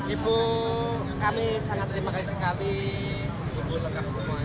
ibu kami sangat terima kasih sekali ibu lengkap semuanya hati hati selama selama tujuan